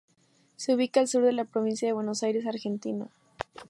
Se ubica al sur de la provincia de Buenos Aires, Argentina.